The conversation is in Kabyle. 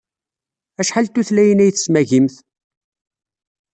Acḥal n tutlayin ay tesmagimt?